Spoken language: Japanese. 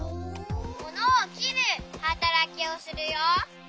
ものをきるはたらきをするよ。